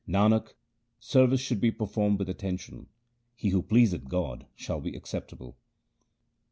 Nanak, service should be performed with attention ; he who pleaseth God shall be acceptable.